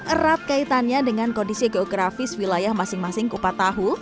erat kaitannya dengan kondisi geografis wilayah masing masing kupat tahu